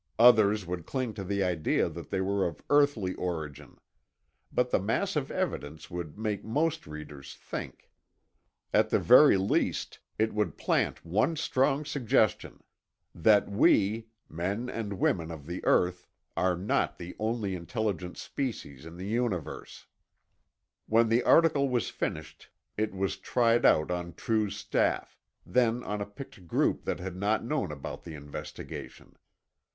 Others would cling to the idea that they were of earthly origin. But the mass of evidence would make most readers think. At the very least, it would plant one strong suggestion: that we, men and women of the earth, are not the only intelligent species in the universe. When the article was finished, it was tried out on True's staff, then on a picked group that had not known about the investigation.